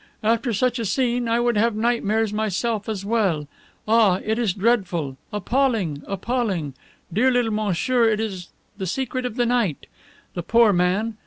after such a scene I would have nightmares myself as well. Ah, it is dreadful! Appalling! Appalling! Dear little monsieur, it is the secret of the night. The poor man!